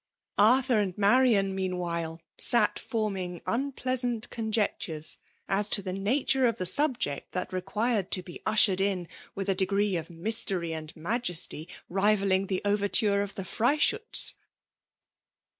Arthur and Marian, meanwhile, sat forming un« pleasant conjectures as to the nature of the subject that required to be ushered in with a degree of mystery and majesty rivalling the overture of the Freischutz.